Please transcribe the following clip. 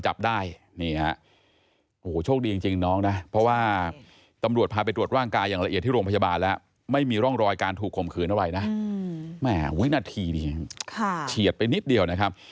ฉีดไปนิดเดียวนะครับ